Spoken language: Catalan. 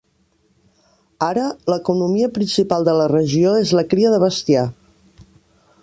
Ara, l'economia principal de la regió és la cria de bestiar.